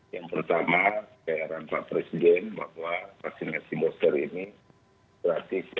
yang pertama saya harap pak presiden bahwa vaksin vaksin booster ini gratis ya